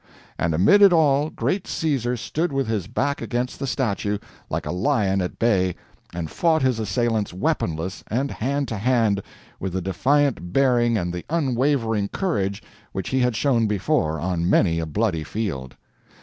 And amid it all great Caesar stood with his back against the statue, like a lion at bay, and fought his assailants weaponless and hand to hand, with the defiant bearing and the unwavering courage which he had shown before on many a bloody field.